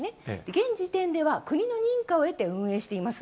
現時点では、国の認可を得て運営しています